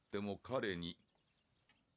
「彼に」